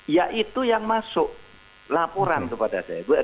ya itu yang masuk laporan kepada saya